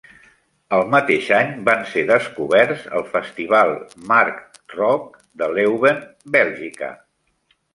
El mateix any van ser descoberts al festival Marktrock de Leuven, Bèlgica.